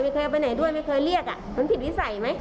เคยไปไหนด้วยไม่เคยเรียกอ่ะมันผิดวิสัยไหม